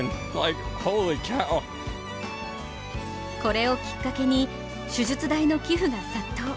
これをきっかけに、手術代の寄付が殺到。